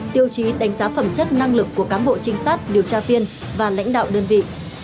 tiêu chí đánh giá phẩm chất năng lực của cán bộ trinh sát điều tra viên và lãnh đạo đơn vị